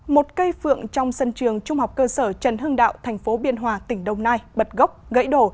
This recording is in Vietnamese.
một cây phượng trong sân trường trung học cơ sở trần hưng đạo thành phố biên hòa tỉnh đồng nai bật gốc gãy đổ